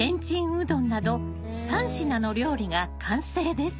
うどんなど３品の料理が完成です。